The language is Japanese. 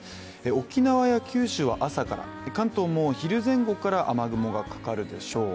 沖縄や九州は朝から、関東も昼前後から雨雲がかかるでしょう。